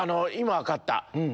今分かった！